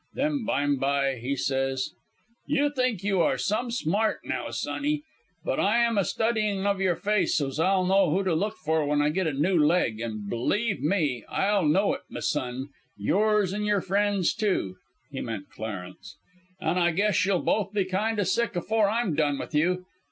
Then byme by he says: "'You think you are some smart now, sonny, but I'm a studyin' of your face so's I'll know who to look for when I git a new leg; an' believe me, I'll know it, m'son yours and your friend's too' (he meant Clarence) 'an' I guess you'll both be kind o' sick afore I'm done with you.